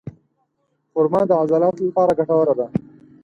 خرما د عضلاتو لپاره ګټوره ده.